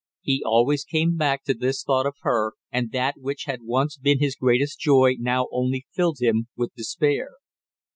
He always came back to his thought of her, and that which had once been his greatest joy now only filled him with despair.